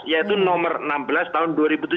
yaitu nomor enam belas tahun dua ribu tujuh belas